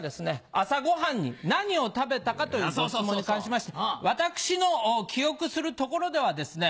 朝ご飯に何を食べたかというご質問に関しまして私の記憶するところではですね